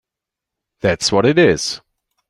That’s what it is!